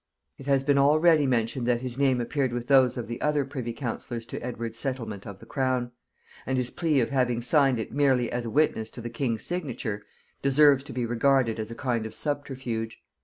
It has been already mentioned that his name appeared with those of the other privy councillors to Edward's settlement of the crown; and his plea of having signed it merely as a witness to the king's signature, deserves to be regarded as a kind of subterfuge.